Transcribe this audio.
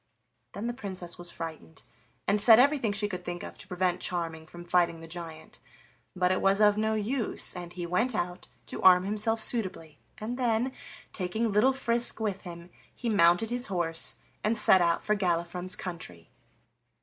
Then the Princess was frightened and said everything she could think of to prevent Charming from fighting the giant, but it was of no use, and he went out to arm himself suitably, and then, taking little Frisk with him, he mounted his horse and set out for Galifron's country.